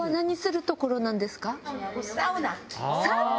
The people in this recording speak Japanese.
サウナ！